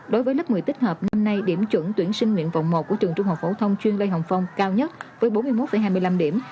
đối với lớp một mươi tích hợp năm nay điểm chuẩn tuyển sinh nguyện vọng một của trường trung học phổ thông chuyên lê hồng phong cao nhất với bốn mươi một hai mươi năm điểm